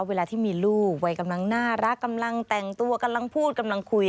เวลาที่มีลูกวัยกำลังน่ารักกำลังแต่งตัวกำลังพูดกำลังคุย